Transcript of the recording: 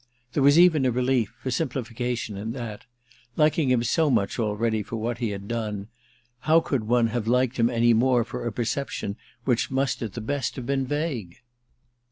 There was even a relief, a simplification, in that: liking him so much already for what he had done, how could one have liked him any more for a perception which must at the best have been vague?